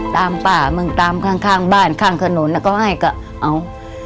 ตามข้างบ้านข้างถนนก็ให้ก็เอา